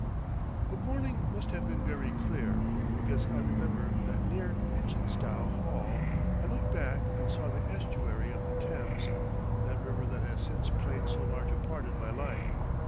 The morning must have been very clear, because I remember that near Itchinstow Hall I looked back and saw the estuary of the Thames, that river that has since played so large a part in my life.